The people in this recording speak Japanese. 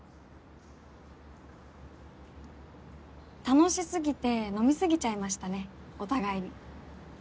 楽しすぎて飲み過ぎちゃいましたねお互いに。